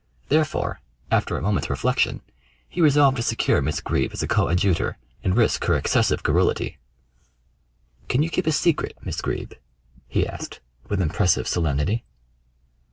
Therefore, after a moment's reflection, he resolved to secure Miss Greeb as a coadjutor, and risk her excessive garrulity. "Can you keep a secret, Miss Greeb?" he asked, with impressive solemnity.